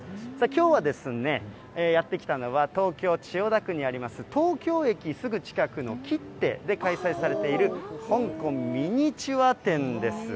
きょうは、やって来たのは、東京・千代田区にあります、東京駅すぐ近くのキッテで開催されている香港ミニチュア展です。